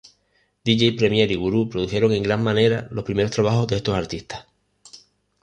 Dj Premier y Gurú produjeron en gran manera los primeros trabajos de estos artistas.